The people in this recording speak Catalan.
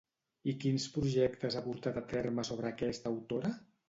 I quins projectes ha portat a terme sobre aquesta autora?